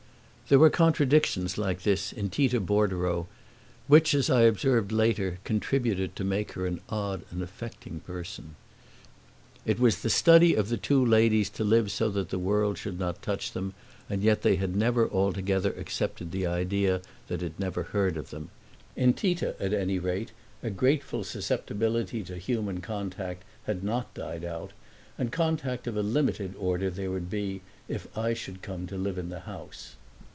There were contradictions like this in Tita Bordereau which, as I observed later, contributed to make her an odd and affecting person. It was the study of the two ladies to live so that the world should not touch them, and yet they had never altogether accepted the idea that it never heard of them. In Tita at any rate a grateful susceptibility to human contact had not died out, and contact of a limited order there would be if I should come to live in the house.